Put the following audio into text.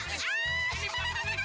ini bapak ini